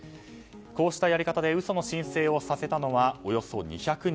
こうしたやり方で嘘の申請をさせたのはおよそ２００人。